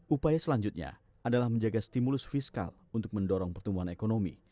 upaya selanjutnya adalah menjaga stimulus fiskal untuk mendorong pertumbuhan ekonomi